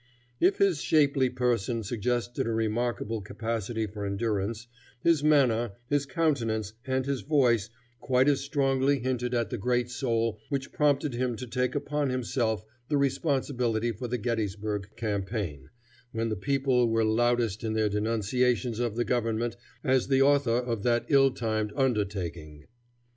If his shapely person suggested a remarkable capacity for endurance, his manner, his countenance, and his voice quite as strongly hinted at the great soul which prompted him to take upon himself the responsibility for the Gettysburg campaign, when the people were loudest in their denunciations of the government as the author of that ill timed undertaking.